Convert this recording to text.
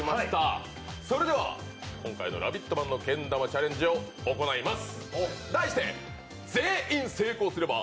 それでは今回も「ラヴィット！」版のけん玉チャレンジを行います。